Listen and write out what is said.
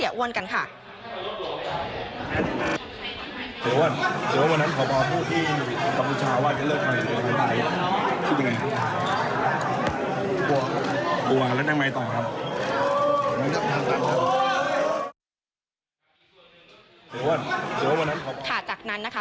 เสียอ้วนเสียอ้วนวันนั้นค่ะจากนั้นนะคะ